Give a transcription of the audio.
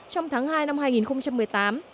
trong tháng hai năm hai nghìn một mươi tám